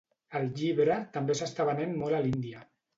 El llibre també s'està venent molt a l'Índia.